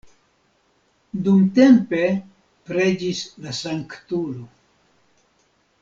Dumtempe preĝis la sanktulo.